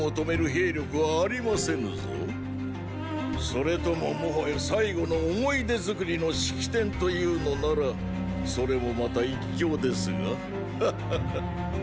それとももはや最後の思い出作りの式典というのならそれもまた一興ですがハッハハ。